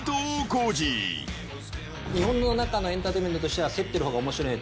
日本の中のエンターテインメントとしては競ってる方が面白い。